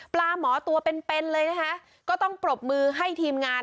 หมอตัวเป็นเป็นเลยนะคะก็ต้องปรบมือให้ทีมงาน